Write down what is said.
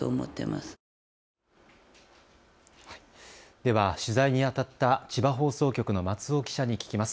では取材にあたった千葉放送局の松尾記者に聞きます。